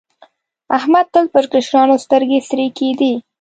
احمد تل پر کشرانو سترګې سرې کېدې.